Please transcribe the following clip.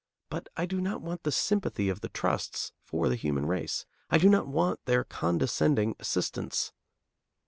But I do not want the sympathy of the trusts for the human race. I do not want their condescending assistance.